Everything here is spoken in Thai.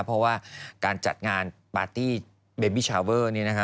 เพราะว่าการจัดงานปาร์ตี้เบบีชาวเวอร์นี้นะคะ